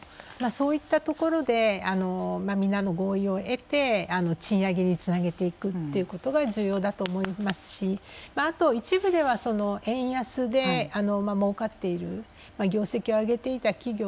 そういったところで皆の合意を得て賃上げにつなげていくっていうことが重要だと思いますしあと、一部では円安でもうかっている業績を上げていた企業。